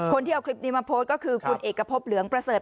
คนที่เอาคลิปนี้มาโพสต์ก็คือคุณเอกพบเหลืองประเสริฐ